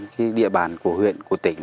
cái địa bản của huyện